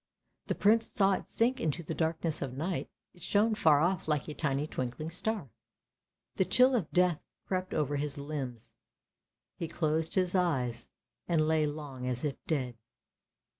The Prince saw it sink into the darkness of night ; it shone far off like a tiny twinkling star. The chill of death crept over his limbs; he closed his eyes and lay long as if dead.